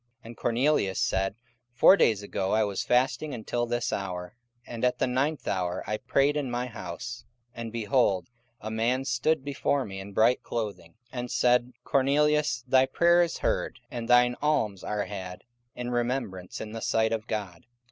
44:010:030 And Cornelius said, Four days ago I was fasting until this hour; and at the ninth hour I prayed in my house, and, behold, a man stood before me in bright clothing, 44:010:031 And said, Cornelius, thy prayer is heard, and thine alms are had in remembrance in the sight of God.